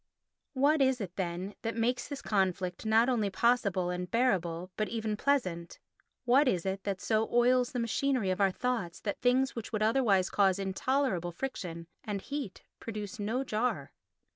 What is it, then, that makes this conflict not only possible and bearable but even pleasant? What is it that so oils the machinery of our thoughts that things which would otherwise cause intolerable friction and heat produce no jar?